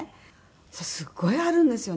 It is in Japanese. そしたらすごいあるんですよね。